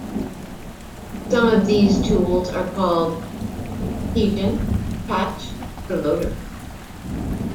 Some of these tools are called keygen, patch, or loader.